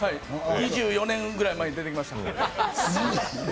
２４年ぐらい前に出てきてますから。